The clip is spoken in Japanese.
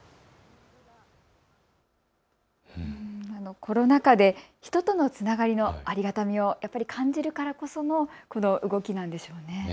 コロナ禍で人とのつながりのありがたみを感じるからこそのこの動きなんでしょうね。